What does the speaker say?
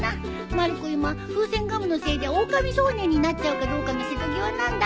まる子今風船ガムのせいでおおかみ少年になっちゃうかどうかの瀬戸際なんだ。